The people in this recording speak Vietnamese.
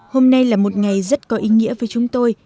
hôm nay là một ngày rất có ý nghĩa với chúng tôi